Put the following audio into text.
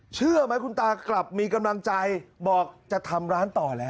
เชื่อไหมคุณตากลับมีกำลังใจบอกจะทำร้านต่อแล้ว